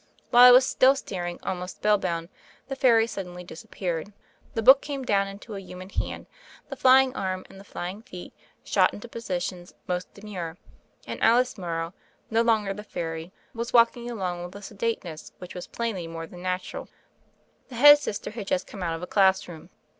While I was still starmg, almost spell bound, the fairy suddenly disappeared. The book came down into a human hand, the flying arm and the flying feet shot into positions most demure, and Alice Morrow, no longer the fairy, was walking along with a sedateness which was plainly more than natural : the Head Sister had just come out of a class room.